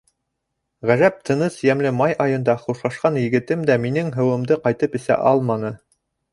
Ғәжәп тыныс йәмле май айында хушлашҡан егетем дә минең һыуымды ҡайтып эсә алманы.